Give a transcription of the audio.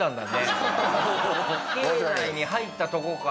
境内に入ったとこから。